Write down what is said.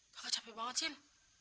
kakak capek banget sin